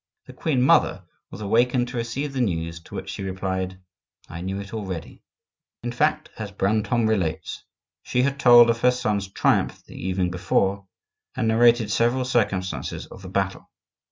The queen mother was awakened to receive the news, to which she replied, "I knew it already." In fact, as Brantome relates, she had told of her son's triumph the evening before, and narrated several circumstances of the battle.